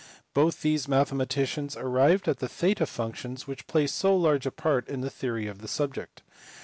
Both these mathematicians arrived at the theta functions, which play so large a part in the theory of the subject.